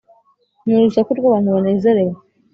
Ni urusaku rw’abantu banezerewe